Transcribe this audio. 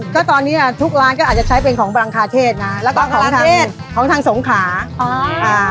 ก็ตอนนี้อ่ะทุกร้านก็อาจจะใช้เป็นของปรังคาเทศนะแล้วก็ของทางของทางสงขาอ่า